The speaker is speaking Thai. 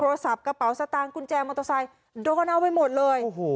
โทรศัพท์กระเป๋าสตานท์กุญแจมอเตอร์ไซค์โดยกันเอาไปหมดเลยโอ้โห